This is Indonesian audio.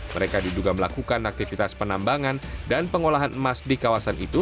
mereka diduga melakukan aktivitas penambangan dan pengolahan emas di kawasan itu